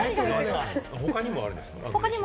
他にもあるんですか？